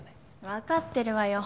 わかってるわよ。